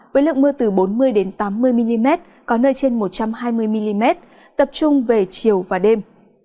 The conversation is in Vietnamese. với lượng mưa từ bốn mươi tám mươi mm có nơi trên một trăm hai mươi mm tập trung về chiều và đêm